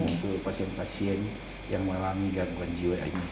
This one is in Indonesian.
untuk pasien pasien yang mengalami